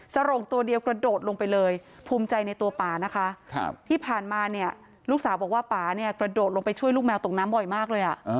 โรงตัวเดียวกระโดดลงไปเลยภูมิใจในตัวป่านะคะที่ผ่านมาเนี่ยลูกสาวบอกว่าป่าเนี่ยกระโดดลงไปช่วยลูกแมวตกน้ำบ่อยมากเลย